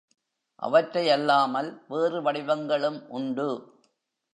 அவற்றையல்லாமல் வேறு வடிவங்களும் உண்டு.